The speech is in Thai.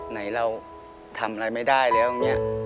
ไหนเราทำอะไรไม่ได้เลย